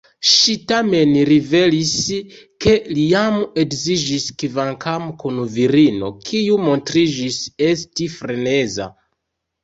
Ŝi tamen rivelis ke li jam edziĝis, kvankam kun virino kiu montriĝis esti freneza.